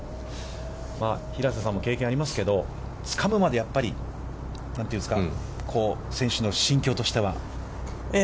平瀬さんも経験ありますけど、つかむまでやっぱり何というんですか、選手の心境としては。